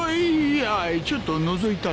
ちょっとのぞいただけだ。